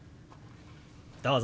どうぞ！